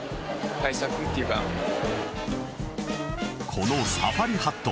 このサファリハット